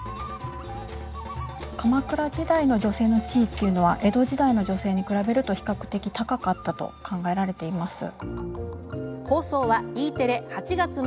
鎌倉時代の女性の地位というのは江戸時代に比べると比較的、高かったと考えられています。